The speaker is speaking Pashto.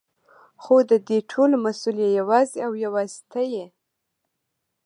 خو ددې ټولو مسؤل يې يوازې او يوازې ته يې.